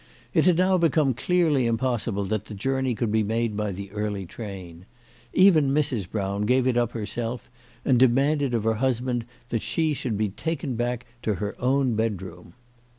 It had now become clearly impossible that the journey could be made by the early train. Even Mrs. Brown gave it up herself, and demanded of her husband that she should be taken back to her own bedroom.